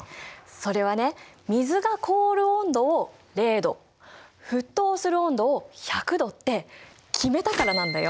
それはね水が凍る温度を０℃沸騰する温度を１００℃って決めたからなんだよ。